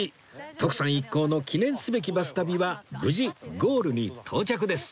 徳さん一行の記念すべきバス旅は無事ゴールに到着です